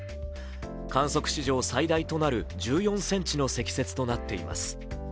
観測史上最大となる１４ｃｍの積雪となっています。